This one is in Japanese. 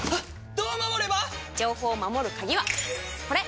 どう守れば⁉情報を守る鍵はこれ！